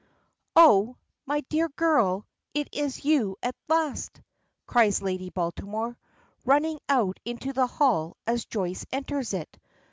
"Oh! my dear girl, is it you at last?" cries Lady Baltimore, running out into the hall as Joyce enters it.